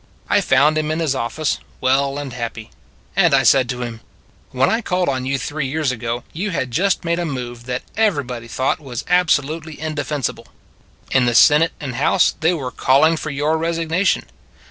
I found him in his office, well and happy. And I said to him: When I called on you three years ago, you had just made a move that everybody thought was absolutely indefensible. In the Senate and House they were calling for your resignation.